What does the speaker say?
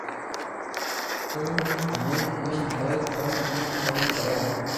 تو ھمي ايم ھوئي ڪو امو ڪوم ڪرو